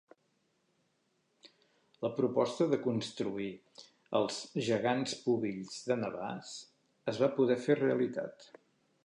La proposta de construir els Gegants Pubills de Navars es va poder fer realitat.